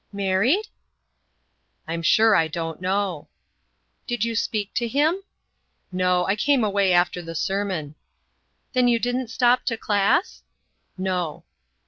"Married?" "I'm sure I don't know." "Did you speak to him?" "No, I came away after the sermon." "Then you didn't stop to class?" "No."